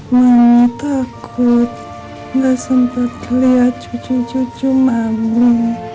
mami takut gak sempat kelihat cucu cucu mami